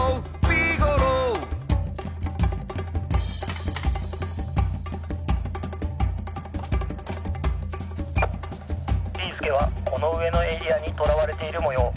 「ビーすけはこのうえのエリアにとらわれているもよう。